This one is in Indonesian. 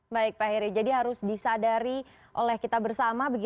baik pak heri jadi harus disadari oleh kita bersama